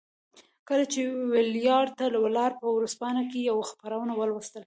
کله چې ویلباډ ته ولاړ په ورځپاڼو کې یې خبرونه ولوستل.